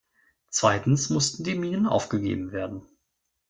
Zweitens mussten die Minen aufgegeben werden.